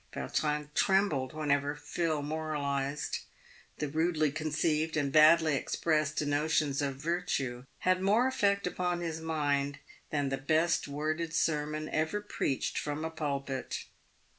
Vautrin trembled whenever Phil moralised. The rudely conceived and badly expressed notions of virtue had more effect upon his mind than the best worded sermon ever preached from a pulpit.